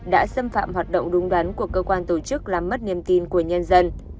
đã xâm phạm hoạt động đúng đắn của cơ quan tổ chức làm mất niềm tin của nhân dân